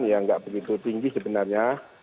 yang nggak begitu tinggi sebenarnya